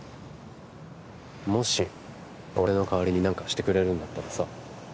もし俺の代わりに何かしてくれるんだったらさ